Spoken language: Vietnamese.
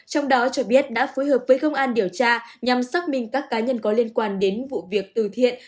trong đó cho biết đã phối hợp với công an điều tra nhằm xác minh các cá nhân có liên quan đến vụ việc từ thiện